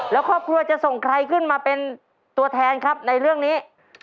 แล้วครอบครัวจะส่งใครขึ้นมาเป็นตัวแทนครับในเรื่องนี้